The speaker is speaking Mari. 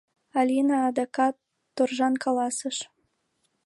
— Алина адакат торжан каласыш.